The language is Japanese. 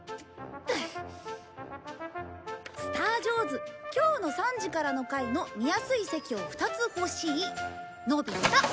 「『スタージョーズ』きょうの３時からの回の見やすい席をふたつほしい」「のび太」